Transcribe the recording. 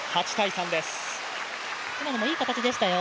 今のもいい形でしたよ。